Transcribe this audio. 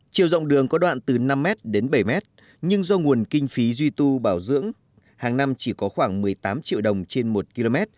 chiều rộng đường có đoạn từ năm m đến bảy m nhưng do nguồn kinh phí duy tu bảo dưỡng hàng năm chỉ có khoảng một mươi tám triệu đồng trên một km